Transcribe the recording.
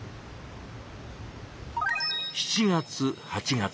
７月８月。